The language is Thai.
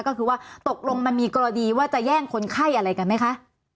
ก็คือว่าตกลงมันมีกรณีว่าจะแย่งคนไข้อะไรกันไหมคะ